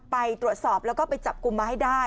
ไปตรวจสอบแล้วก็ไปจับกลุ่มมาให้ได้